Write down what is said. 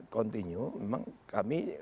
kontinu memang kami